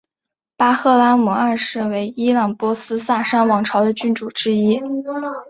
巴赫拉姆二世为伊朗波斯萨珊王朝的君主之一。